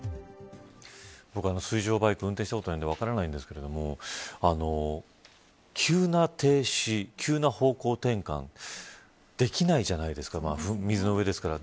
水上バイクを運転したことがないので分からないんですが急な停止急な方向転換できないじゃないですか水の上ですから。